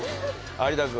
有田君。